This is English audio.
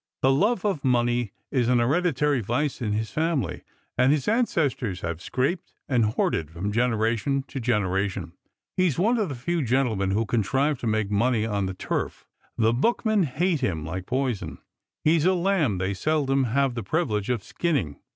The love of money is an hereditary vice in his family, and his ancestors have scraped and hoarded from generation to generation. He is one of the few gentlemen who con trive to make money on the turf. The bookmen hate him like poison. He's a lamb they seldom have the privilege of skinning.